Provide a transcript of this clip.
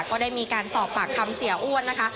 ก็ได้มีการสอบปากคำเสียอ้วนนะคะ